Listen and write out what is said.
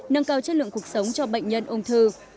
nâng cao chất lượng cuộc sống cho bệnh nhân ung thư